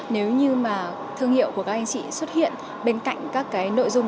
nếu như mà thương hiệu của các anh chị xuất hiện bên cạnh các cái nội dung